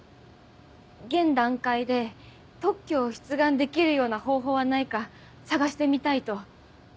現段階で特許を出願できるような方法はないか探してみたいと。